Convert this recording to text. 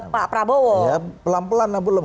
pak prabowo pelan pelan lah belum